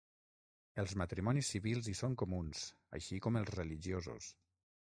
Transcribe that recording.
Els matrimonis civils hi són comuns, així com els religiosos.